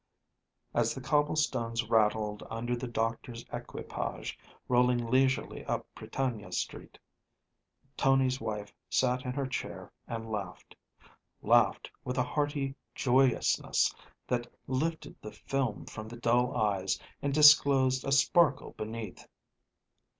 As the cobblestones rattled under the doctor's equipage rolling leisurely up Prytania Street, Tony's wife sat in her chair and laughed, laughed with a hearty joyousness that lifted the film from the dull eyes and disclosed a sparkle beneath.